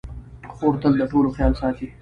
خور تل د ټولو خیال ساتي.